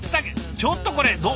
ちょっとこれどう。